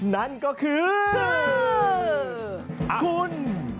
นั่นก็คือคุณ